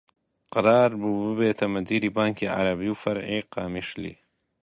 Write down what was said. قەرار بوو ببێتە مدیری بانکی عەرەبی فەرعی قامیشلی